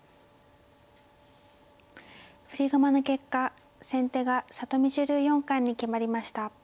振り駒の結果先手が里見女流四冠に決まりました。